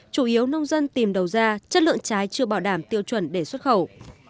chủ yếu nông dân tìm đầu ra chất lượng trái chưa bảo đảm tiêu chuẩn để xuất khẩu